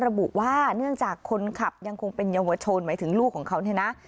ระบุว่าเนื่องจากคนขับยังคงเป็นเยาวชนหมายถึงลูกของเขาเนี่ยนะ